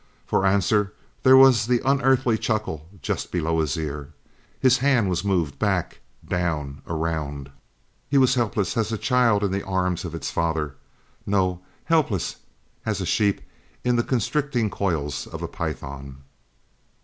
For answer there was the unearthly chuckle just below his ear. His hand was moved back, down, around! He was helpless as a child in the arms of its father no, helpless as a sheep in the constricting coils of a python.